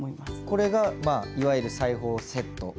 これがまあいわゆる裁縫セットですか？